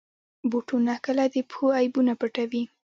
بوټونه کله د پښو عیبونه پټوي.